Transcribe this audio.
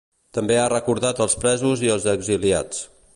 També ha recordat els presos i els exiliats.